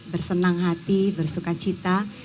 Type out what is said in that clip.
bersenang hati bersuka cita